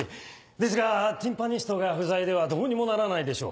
ですがティンパニストが不在ではどうにもならないでしょう。